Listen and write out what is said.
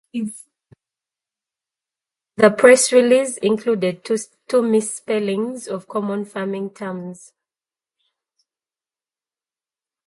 The press release included two misspellings of common farming terms.